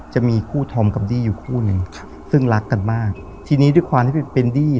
จะมีคู่ธอมกับดี้อยู่คู่หนึ่งครับซึ่งรักกันมากทีนี้ด้วยความที่เป็นดี้